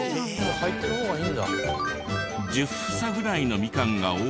入ってる方がいいんだ。